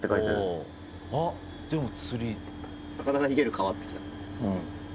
「魚が逃げる川」って来たんですか？